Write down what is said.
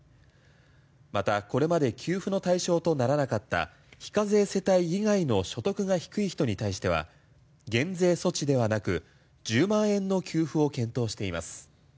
また、これまで給付の対象とならなかった非課税世帯以外の所得が低い人に対しては減税措置ではなく１０万円の給付を検討しています。